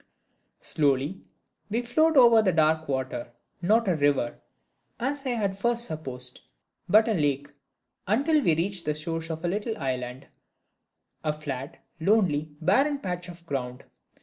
Slowly we float over the dark water not a river, as I had at first supposed, but a lake until we reach the shores of a little island; a flat, lonely, barren patch of ground.